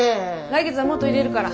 来月はもっと入れるから。